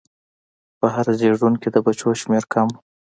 په هر زېږون کې د بچو شمېر کم و.